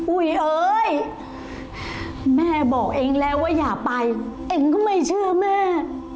เอ้ยแม่บอกเองแล้วว่าอย่าไปเองก็ไม่เชื่อแม่